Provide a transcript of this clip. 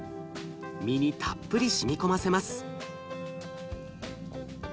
身にたっぷりしみ込ませます。